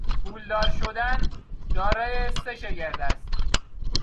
پولدار شدن دارای سه شگرد است.